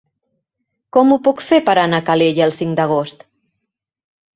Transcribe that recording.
Com ho puc fer per anar a Calella el cinc d'agost?